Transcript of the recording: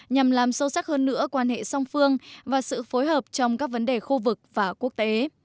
nhằm làm sâu sắc hơn nữa quan hệ song phương và sự phối hợp trong các vấn đề khu vực và quốc tế